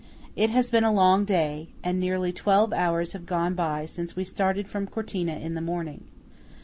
It has been a long day, and nearly twelve hours have gone by since we started from Cortina in the morning.